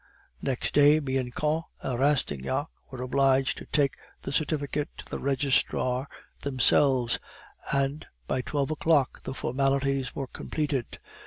Next day Bianchon and Rastignac were obliged to take the certificate to the registrar themselves, and by twelve o'clock the formalities were completed.